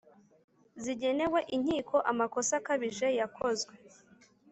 zigenewe inkiko amakosa akabije yakozwe